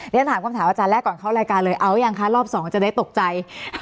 ฉันถามคำถามอาจารย์แรกก่อนเข้ารายการเลยเอายังคะรอบสองจะได้ตกใจ